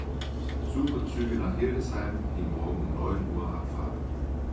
Suche Züge nach Hildesheim, die morgen um neun Uhr abfahren.